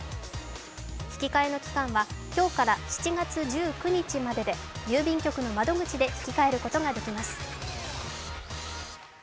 引き換えの期間は今日から７月１９日までで、郵便局の窓口で引き換えることができます。